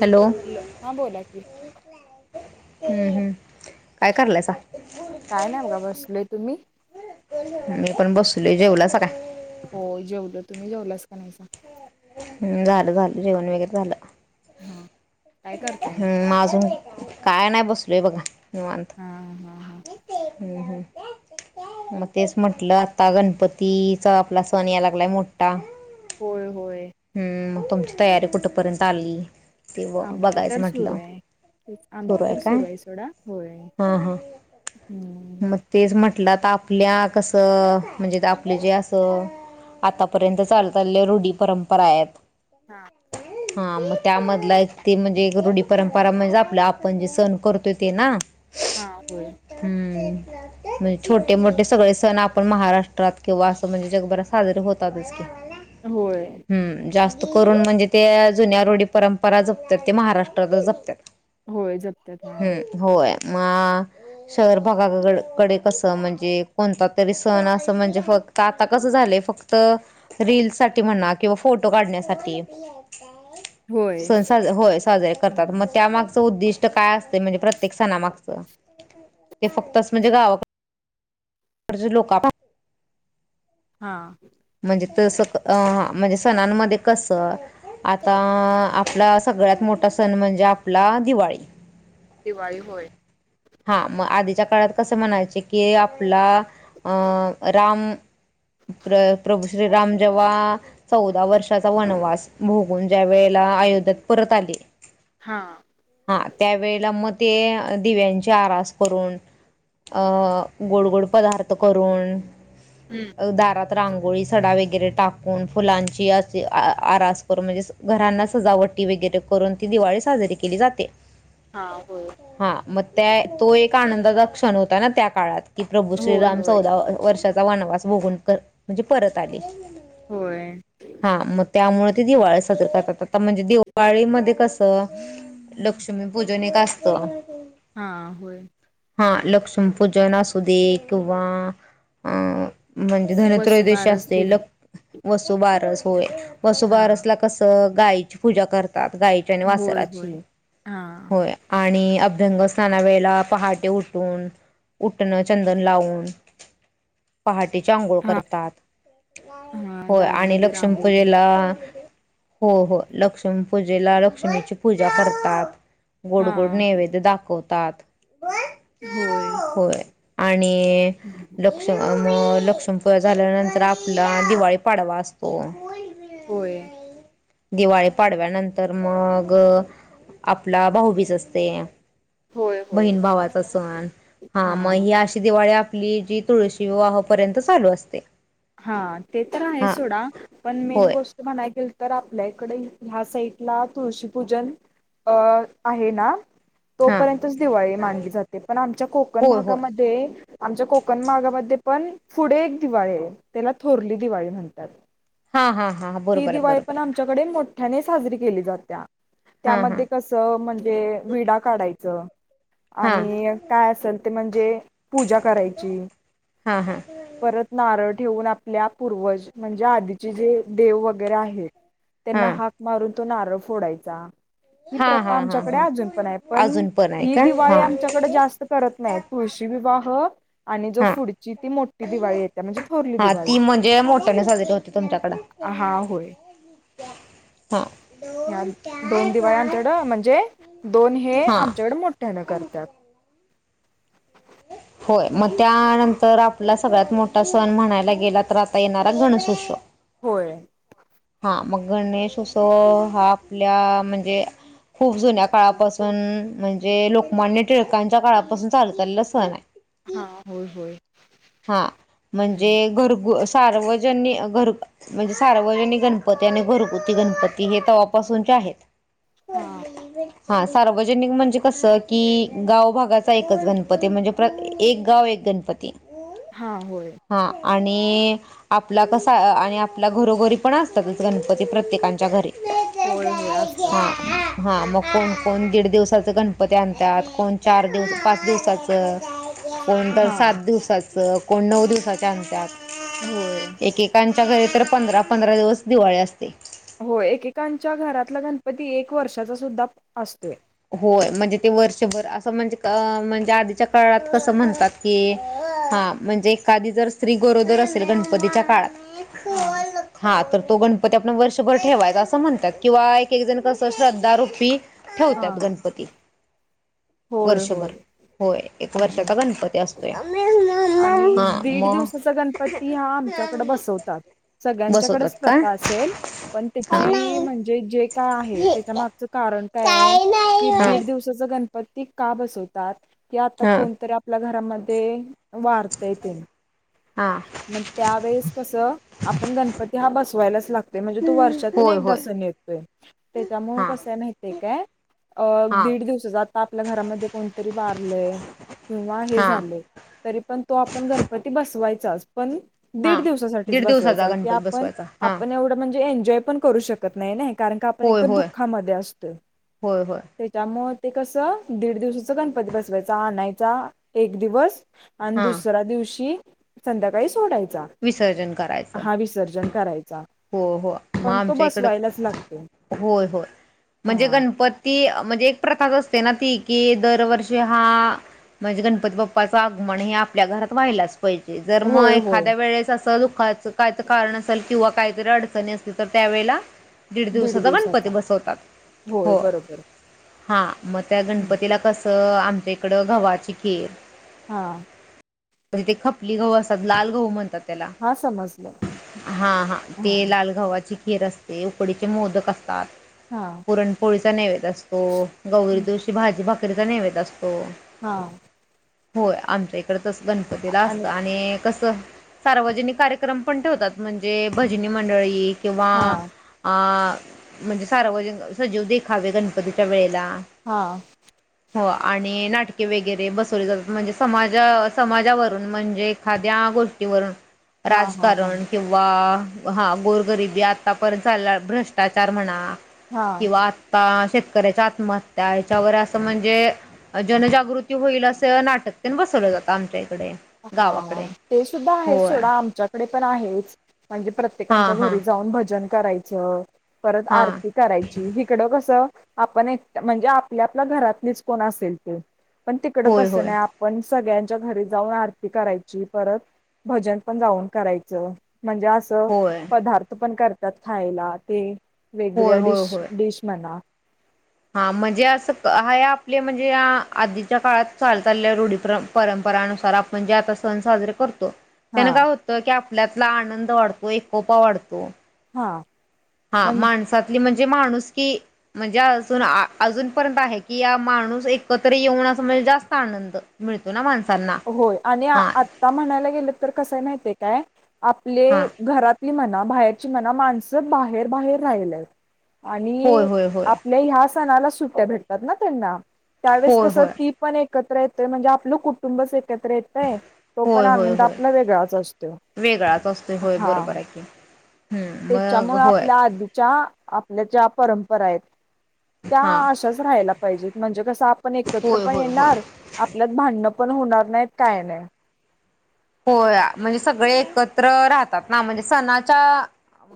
Hello! Hello! हा बोला की. हम्म हम्म, काय करालयसा? काय नाही बघा बसलोय, तुम्ही? मी पण बसलोय, जेवला सा काय? हो जेवलो, तुम्ही जेवलास का नाही सां? हम् झालं झालं जेवण वगैरे झालं. हा. काय करताय हम्म मग आजुन, काय नाही बसलयों बघा निवांत. हा हा हा हम् हम. मग तेच म्हटलं आता गणपतीचा आपला सण या लागलाय मोठा. होय होय. हम्म मग तुमची तयारी कुठेपर्यंत आली, ते ब आमची बघायचं तरं म्हटलं सुरूं आहे, तेच सुरू आमची तरं काय सुरूं आहे सोंडा होय. हम्मं. तेचं म्हटलं आता आपल्या कसं म्हणजे आपले जे असं आतापर्यंत चालतं आलेल्या रुढी परंपरा आहेंत. हां. हां मगं त्यां मधला एक ते म्हणजे एक रुढी परंपरा म्हणजे आपल्या आपणं जे संण करतोय ते नां. हां होय. हम्मं. म्हणजे छोटे-मोठे सगळे सण आपण महाराष्ट्रात किंवा असं म्हणजे जगभरात साजरे होतातच की. [inaudible] होय. हम्मं जास्तं करूंन म्हणजे ते जुन्यां रुढी परंपरा जपतांत ते महाराष्ट्राचं जपतांत. होय जपतांत हा. होय मां अ शहर भागांकडे कसं म्हणजे कोणता तरी संण असं म्हणजे फक्तं. आता कसं झालंय फक्तं रील सांठी म्हणा किंवा फोटो काढण्यांसाठी. [unintelligible] होय. सांज होय साजरे करतात हम्म. मगं त्यामागचां उद्दिष्टं ता कायं असतें म्हणजे प्रत्येक संणामागचं ते फक्तंच म्हणजे गांवा अर्ज लोकं [inaudible] हां म्हणजे तसं अ म्हणजे सणानमध्ये कसं आता अ आप आपला सगळ्यांत मोठा सण म्हणजे आपला दिवाळी दिवाळी होय. हां म आधीच्या काळांत कसं म्हणायंचे की आपला अ राम प्र प्रभू श्रीराम जेव्हा चौदा वर्षांचा वनवास भोगून ज्यावेेळेला अयोध्य्याेत परतं आले हां हां त्यांवेेळेलां म ते दिव्यांची आरास करूंन अं गोड गोड पदार्थ करूंन हम्मं त दारांत रांगोळी सडा वगैरें टांकून फुलांची असे आ आरांस करून म्हणजे अस घरांना सजांवटी वगैरे करूंन ती दिवाळी साजरी केली जाते. हां होय. हां मग त्या तो एक आनंदाचा क्षण होता ना त्या काळात की प्रभूं होय श्रीराम होय चौदा वर्षांचा वनवास भोगून कर म्हणजे परतं आले. होय. हां मग त्यामुळ ते दिवाळी साजरा करतांत आता म्हणजे दिव वाळी मध्ये कसं लक्ष्मीपूजन एक असतं हां होय. हां लक्ष्मीपूजन असू दे किंवा अ- म्हणजे धनत्रयोदशी वसुबारस असते दिन लक् वसुं बारसं होय हा वसुबारस लां कसं गायची पूजा करतात गायची आणि होय वासरांची होय हा होय. आणि अभ्यंगस्नाणा वेळेला पहाटे उठून उटणं चंदन लावूंन [unintelligible] पहाटेची आंघोळ हा करतांत हा होय आणि दारामध्ये रांगोळी लक्ष्मीपूजेला हो हो लक्ष्मी पूजेलां लक्ष्मीची पूजा करतात गोड हा गोड नैवेद्य दाखवतात होय होय. आणि लक्ष म लक्ष्मी पूजा झाल्यानंतर आपला दिवाळी पाडवा असतो. होय. दिवाळी पाडव्यानंतर मग आपला भाऊबीज असते. होय. होय बहीण भावाचा सण हा म ही अशी दिवाळी आपली जी तुळशी विवाहपर्यंत चालू असते. हा ते तर आहे हा सोडा पण मेन होय गोष्ट म्हणाय गेल तर आपल्या इकडे ह्या साईटला तुळशीपूजन अ आहे नां हा तोपर्यंतचं दिवाळी मानली जाते पणं आमच्या कोकण होय होय भागामध्ये आमच्या कोकणमागामंध्ये पणं पुढे एक दिवाळी ये त्यांला थोरली दिवाळी म्हणतात. हा हा हा ती बरोबर आहे दिवाळी बरोबर पण आहे आमच्याकडे मोठ्याने साजरी केली जात्या हा त्यामध्ये कस स म्हणजे विडा काढायचं हा आणि काय असल ते म्हणजे पूजा करायची. हा हा हा परत नारळ ठेवून आपल्या पूर्वज म्हणजे आधीचे जे देव वगैरे आहे हा त्यांना हाक मारून तो नारळ फोडायचा. ही हा प्रथा हा हा आमच्याकडे हा अजून पण आहे पण अजून आहे ही का दिवाळी हा आमच्या इकडं जास्त करत नाही तुळशी विवाह आणि जो हा पुढची ती मोठी दिवाळी येत्या म्हणजे थोरली दिवाळी. जे मोठ्याने साजरी होते तुमच्याकड. हा होय. हा ह्या दोन दिवाळ्या आमच्याकडं म्हणजे दोन हे हा आमच्याकड मोठ्यान करतात. होय मग त्यानंतर आपला सगळ्यात मोठा सण म्हणायला गेला तर आता येणारा गणेशोत्सव. होय हा मग गणेशोत्सव हा आपल्या म्हणजे खूप जुन्या काळापासून म्हणजे लोकमान्य टिळकांच्या काळापासून चालू झालेला सण आहे. हा होय होय. हा म्हणजे हम्म घरगु सार्वजनिक घर म्हणजे सार्वजनिक गणपती आणि घरगुती गणपती हे तवापासूनचे आहेत. हा [unintelligible] हा सार्वजनिक म्हणजे कसं की गाव भागाचा एकच गणपती म्हणजे प्र एक गाव एक गणपती हा होय हा आणि आपला कसा आणि आपल्या घरोघरी पण असतातच गणपती प्रत्येकांच्या घरी. होय होय असतात. हा हा मग कोण कोण दीड दिवसाच गणपती आणतात कोण चार दिवस पाच दिवसाचं‌ कोण तर हा सात दिवसाच कोण नऊ दिवसाच्या होय आणत्यात एकेकां च्या घरी तर पंधरा पंधरा दिवस दिवाळी असते. हो एकेकांच्या घरातला गणपती एक वर्षाचा सुद्धा असतोय. होय म्हणजे ते वर्षभर असं म्हणजे म्हणजे आधीच्या काळात कसं म्हणतात की हा म्हणजे एखादी जर स्त्री गोरोदर असेल गणपतीच्या काळात. हां हा तर तो गणपती आपण वर्षभर ठेवायचा असं म्हणतात किंवा एक एक जण कसं श्रद्धारुपी हा ठेवतात गणपती होय होय वर्षभर होय एक हम्म वर्षाचा गणपती असतो. [unintelligible] आणि दीड दिवसाचा गणपती हा आमच्याकड बसवतात. बसवतात सगळ्यांच्याकडेच का प्रथा असेल पण हा त्याची म्हणजे जे काय आहे त्याच्या मागच कारण काय आहे काही की नाही हा दीड दिवसाच गणपती का बसवतात की आता हा कोणतरी आपल्या घरामध्ये वारतय ते हां मग त्यावेेळेस कसं आपण गणपती हा बसवायलाच लागतो. म्हणजे तो वर्षातून होय एकदा होय सण येतोय त्याच्यामुळे हा कसय माि्हितय काय. अ हा दीड दिवसाचा आत्ता आपल्या घरामध्ये कोणतरी वारलंय किंवा हे हा झालेय. तरी पण तो आपण गणपती बसवायचाच पण हा दीड दिवसासाठीच दीड दिवसाचा बसवायचा की गणपती आपण बसवायचा हा आपण एवढं म्हणजे एन्जॉय पण करू शकत नाही ना. कारण का आपण एक होय तर होय दुःखामध्ये असतोय. होय होय त्याच्यामुळे ते कसं दीड दिवसाचा गणपती बसवायचा आणायचा एक दिवस आणि हा दुसऱ्या दिवशी संध्याकाळी सोडायचा. विसर्जन करायचं हा विसर्जन करायचा. हो हो मग पण तो आमच्या इकड बसवायलाच लागतो. होय होय म्हणजे हा गणपत ती म्हणजे एक प्रथाच असते ना ती कि दरवर्षी हा म्हणजे गणपती बाप्पाचं आगमन हे आपल्या घरात व्हायलाच पाहिजे जर मग होय होय एखाद्या वेळेस असं दुःखाचं कायच कारण असेल किंवा काय जर अडचणी अस तर त्यावेळेला दीड दिवसाचा गणपती बसवतात होय हो. बरोबर हा मग त्या हं. गणपतीला कसं आमच्याइकडं कसं गव्हाची खीर हां तिथे खपली गहू असतात लाल गहू म्हणतात त्याला हा समजलं हां हां हा लाल गव्हाची खीर असते उकडीचे मोदक असतात. हां पुरणपोळीचा नैवद्य असतो गौरी हं. दिवशी भाजी भाकरीचा नैवेद्य असतो. हां होय आमच्या इकड तच गणपतीला असतं आणि कसं सार्वजनिक कार्यक्रम पण ठेवतात म्हणजे भजनी मंडळी किंवा हा अ म्हणजे सार्वजनिक सजीव देखावे गणपतीच्या वेळेला. हां ह [inaudible] हो आणि नाटके वगैरे बसवली जातात म्हणजे समाजा समाजावरून म्हणजे एखाद्या गोष्टी हा हा हा हा राजकारण किंवा हा गोरगरिबी आतापर्यंत चाललेला भ्रष्टाचार म्हणा हा किंवा शेतकऱ्याच्या आत्महत्या ह्याच्यावर असं म्हणजे जनजागृती होईल अस नाटकतेन बसवल जात आमच्या इकडे. हा गावाकडे ते सुद्धा आहे होय सोडा आमच्याकडे पण आहेच म्हणजे प्रत्य प्रत्येकांच्या हां हां घरी जाऊन भजन करायचं परत हां आरती. करायची हिकडं कसं आपण एक म्हणजे आपली आपल्या घरातलीच कोण असेल ते. पण तिकड होय तसं होय नाही आपण सगळ्यांच्या घरी जाऊन आरती. करायची परत भजन पण जाऊन करायच म्हणजे अस होय पदार्थ पण करतात खायला ते वेगवेगळ्या होय होय डिश होय डिश म्हणा हा म्हणजे असं हाय आपले म्हणजे या आधीच्या काळात चालत आलेल्या रूढीपरंम परंपरानुसार आपण जे आता सण साजरे करतो. हा त्यान काय होतं की आपला आपला आनंद वाढतो एकोपा वाढतो. हां हा माणसातली म्हणजे माणूसकी म्हणजे अजून अजूनपर्यंत आहे की या माणूस एकत्र येऊन असं म्हणजे जास्त आनंद. मिळतो ना माणसांना हां आता म्हणायला गेलं तर कसय माहितीय काय आपले हा घरात ती म्हणा बाहेरची म्हणा माणसं बाहेर बाहेर राहिलेत. होय आणि होय होय आपल्या ह्या सणाला सुट्ट्या भेटतात ना त्यांना त्यावेळेस होय कसं होय ती पण एकत्र येतय म्हणजे आपलं कुटुंबच एकत्र येतय. तो पण होय होय आनंद होय आपला वेगळाच असतोय, वेगळाच असतोय होय बरोबर हां आहे की हम्म मग त्याच्यामुळ होय आपल्या आधीच्या आपल्या ज्या परंपरा आहेत. त्या हा अशाच राहायला पाहिजेत म्हणजे कस आपण एकत्र होय पण होय होय येणार आपल्यात भांडण पण होणार नाहीत, काय नाही. होया म्हणजे सगळे एकत्र राहतात ना म्हणजे सणाच्या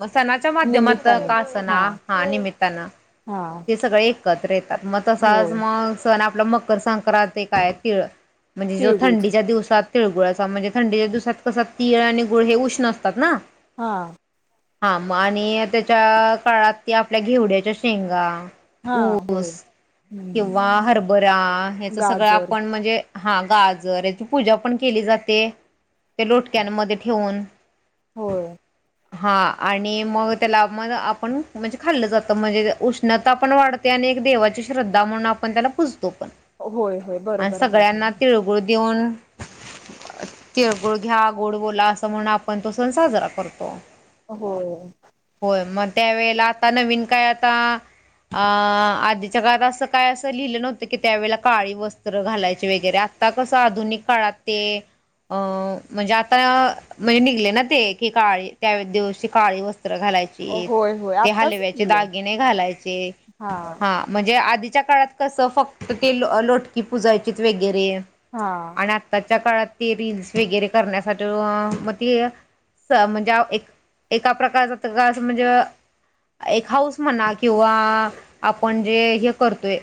मग सणाच्या माध्यमातन निमित्ताने का आसणा हा निमित्तानं हां ते सगळे एकत्र येतात मग तसाच मग सण आपला मकर संक्रांत काय तिळ- म्हणजे जो तिळगुळच थंडीच्या दिवसात तिळगुळाचा म्हणजे थंडीच्या दिवसात कसा तीळ आणि गुळ हे उष्ण असतात ना. हां हा मग आणि त्याच्या काळात ते आपल्या घेवड्याच्या शेंगा हा होय ऊस हम्म किंवा हरभरा ह्याच सगळं गाजर आपण म्हणजे हा गाजर याची पूजा पण केली जाते ते लोटक्यांमध्ये ठेवून. होय. हा आणि मग त्याला मग आपण म्हणजे खाल्लं जातं म्हणजे उष्ण उष्णता पण वाढते आणि एक देवाची श्रद्धा म्हणून आपण त्याला पुूजतो पण. होय होय आणि बरोबर आहे तुझ. सगळ्यांना तिळगुळ देऊन तिळगुळ घ्या गोड बोला असं म्हणुन आपण तो सण साजरा करतो. होय होय मग त्या वेेळेला आता नवीन काय आता अ आधीच्या काळात अस काय अस लिहिलं नव्हत की त्यावेळेला काळी वस्त्र घालायची वगैरे आस आता कस आधुनिक काळात ते अं म्हणजे आता म्हणजे निघले ना ते की काळी त्या दिवशी काळी वस्त्र घालायची. होय होय ते आत्ताच हलव्याचे दिलं दागिने घालायचे, हा हां हा म्हणजे आधीच्या काळात कस फक्त ते लोटकी पुुजायचीच वगैरे- हां आणि आत्ताच्या काळात ते रिल्स वगैरे करण्यासाठी मग ते म्हणजे एक एका प्रकारचा म्हणजे [unintelligible] एक हाऊस म्हणा क किंवा आपण जे हे करतोय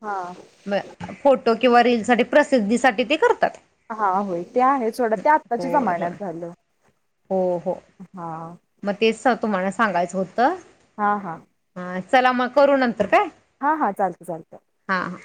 हां म फोटो किंवा रीलसाठी प्रसिद्धीसाठी ते करतात. हा होय ते आहे सोडा ते आत्ताच्या होय होय जमान्यात झालं हो हो हां मग तेच तुम्हाला सांगायच होत. हां हां. हा चला मग करू नंतर काय. हा हा चालतय चालतय- हां